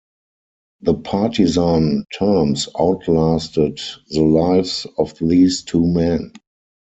The partisan terms outlasted the lives of these two men.